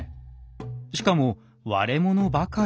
しかも割れ物ばかり。